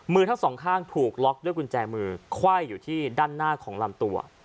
มือทั้งสองข้างถูกล็อกด้วยกุญแจมือไขว้อยู่ที่ด้านหน้าของลำตัว